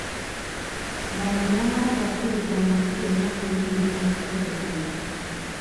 Bano tebamala gakkiriza muntu yenna kuyingira mu kitebe kino